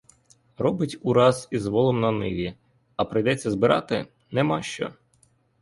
Робить ураз із волом на ниві, а прийдеться збирати — нема що.